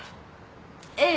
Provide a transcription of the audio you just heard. ええ。